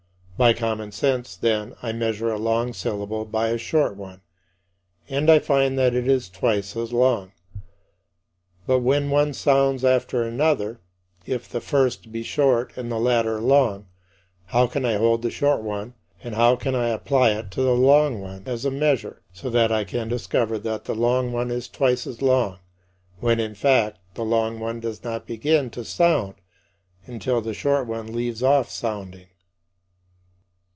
By common sense, then, I measure a long syllable by a short one, and I find that it is twice as long. But when one sounds after another, if the first be short and the latter long, how can I hold the short one and how can I apply it to the long one as a measure, so that I can discover that the long one is twice as long, when, in fact, the long one does not begin to sound until the short one leaves off sounding?